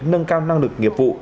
nâng cao năng lực nghiệp vụ